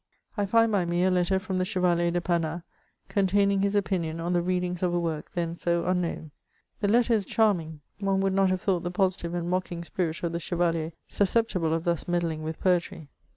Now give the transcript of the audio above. I iind by me a letter from the Chevalier de Panat, containing his opinion on the readings of a work then 80 unknown. The letter is charming : one would not have thought the positive and mocking spirit of the chevalier suscep tible of thus meddling with poetry.